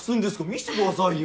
見せてくださいよ。